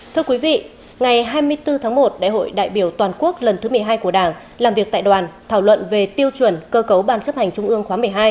hai mươi bốn tháng một đại hội đại biểu toàn quốc lần thứ một mươi hai của đảng làm việc tại đoàn thảo luận về tiêu chuẩn cơ cấu ban chấp hành trung ương khóa một mươi hai